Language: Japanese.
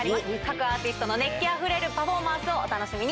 各アーティストの熱気あふれるパフォーマンスをお楽しみに。